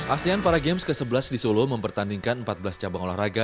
asean para games ke sebelas di solo mempertandingkan empat belas cabang olahraga